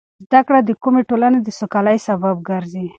زده کړه د کومې ټولنې د سوکالۍ سبب ګرځي.